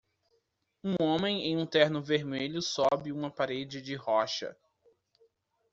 Um homem em um terno vermelho sobe uma parede de rocha